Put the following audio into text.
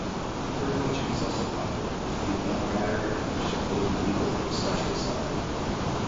Birdwatching is also popular, with the lammergeier and golden eagle especially sought for.